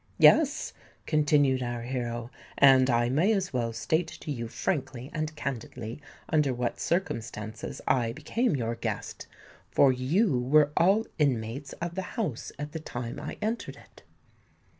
"Yes," continued our hero; "and I may as well state to you frankly and candidly under what circumstances I became your guest—for you were all inmates of the house at the time I entered it."